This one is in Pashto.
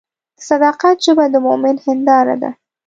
د صداقت ژبه د مؤمن هنداره ده.